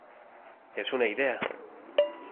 es una idea.